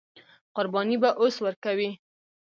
قرباني به اوس ورکوي.